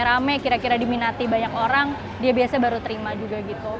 jadi kalau dari instagramnya rame kira kira diminati banyak orang dia biasanya baru terima juga gitu